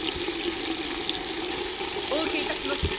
お受けいたしまする。